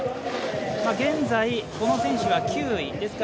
現在、この選手は９位。